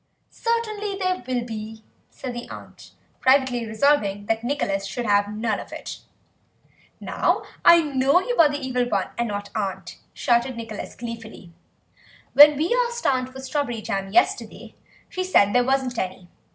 "Certainly there will be," said the aunt, privately resolving that Nicholas should have none of it. "Now I know that you are the Evil One and not aunt," shouted Nicholas gleefully; "when we asked aunt for strawberry jam yesterday she said there wasn't any.